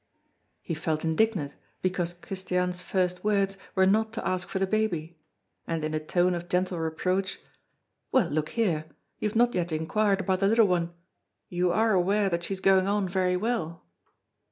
He felt indignant because Christiane's first words were not to ask for the baby; and in a tone of gentle reproach: "Well, look here! you have not yet inquired about the little one. You are aware that she is going on very well?"